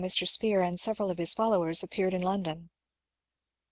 In 1882 Mr. Spear and several of his followers appeared in London.